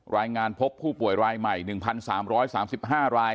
รายงานพบผู้ป่วยรายใหม่๑๓๓๕ราย